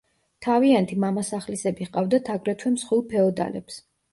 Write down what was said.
თავიანთი მამასახლისები ჰყავდათ აგრეთვე მსხვილ ფეოდალებს.